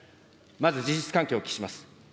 まず事実関係をお聞きします。